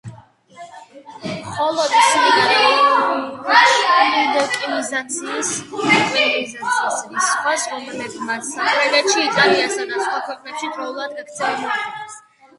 მხოლოდ ისინი გადაურჩნენ ინკვიზიციის რისხვას, რომლებმაც საფრანგეთში, იტალიასა და სხვა ქვეყნებში დროულად გაქცევა მოახერხეს.